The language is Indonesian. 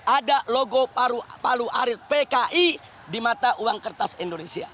ada logo palu arit pki di mata uang kertas indonesia